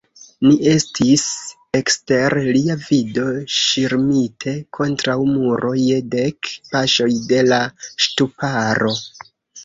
Ni estis ekster lia vido, ŝirmite kontraŭ muro, je dek paŝoj de la ŝtuparo.